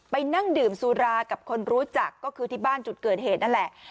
นั่งดื่มสุรากับคนรู้จักก็คือที่บ้านจุดเกิดเหตุนั่นแหละ